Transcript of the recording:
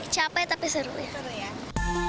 capek tapi seru ya